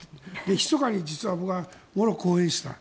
ひそかに実は僕はモロッコを応援していた。